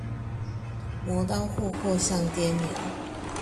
磨刀霍霍向爹娘